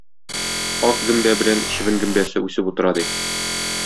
Ак гөмбә белән чебен гөмбәсе үсеп утыра ди.